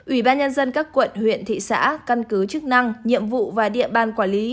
ủy ban nhân dân các quận huyện thị xã căn cứ chức năng nhiệm vụ và địa bàn quản lý